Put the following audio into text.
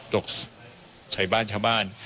ตกใส่บ้านชาวบ้าน